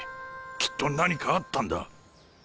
きっと何かあったんだ。